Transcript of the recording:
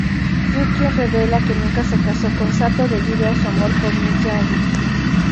Yukie revela que nunca se casó con Sato debido a su amor por Miyagi.